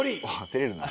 てれるな。